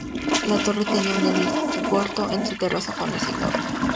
La torre tenía un helipuerto en su terraza cuando se inauguró.